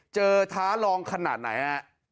เจอท้าลองขนาดไหน